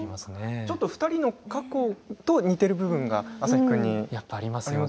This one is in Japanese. ちょっと２人の過去と似ている部分が朝陽君にありますよね。